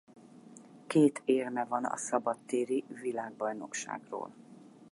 Két érme van a szabadtéri világbajnokságról.